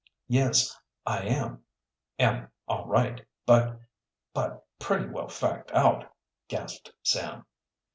"Yes, I am am all right, but but pretty well fagged out," gasped Sam.